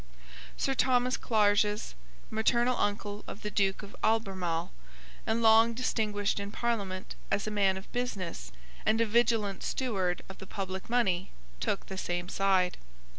Sir Thomas Clarges, maternal uncle of the Duke of Albemarle, and long distinguished in Parliament as a man of business and a viligant steward of the public money, took the same side.